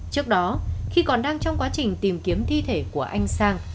trước đó khi còn đang trong quá trình tìm kiếm thi thể của anh sang